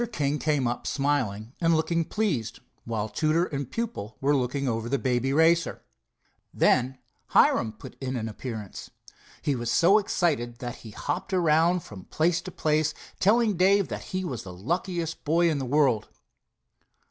King came up, smiling and looking pleased, while tutor and pupil were looking over the Baby Racer. Then Hiram put in an appearance. He was so excited that he hopped around from place to place, telling Dave that he was the luckiest boy in the world.